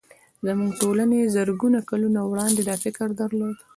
زموږ ټولنې زرګونه کلونه وړاندې دا فکر درلود